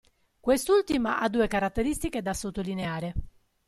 Quest'ultima ha due caratteristiche da sottolineare.